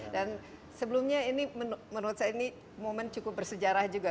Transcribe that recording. dan sebelumnya ini menurut saya ini momen cukup bersejarah juga